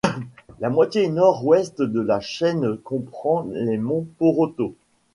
La moitié nord-ouest de la chaîne comprend les monts Poroto.